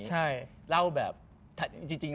จริงมันก็ยิ่งใหญ่แหละ